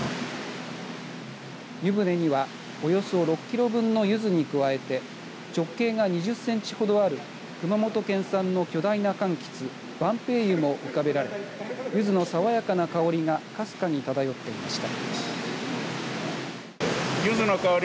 湯船には、およそ６キロ分のゆずに加えて直径が２０センチほどある熊本県産の巨大なかんきつ晩白柚も浮かべられゆずの爽やかな香りがかすかに漂っていました。